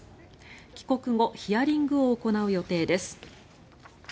帰国後ヒアリングを行う予定です。